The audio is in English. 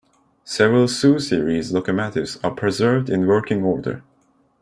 Several Su-series locomotives are preserved in working order.